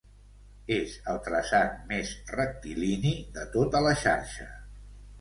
És el traçat més rectilini de tota la xarxa.